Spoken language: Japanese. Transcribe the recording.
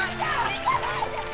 行かないで！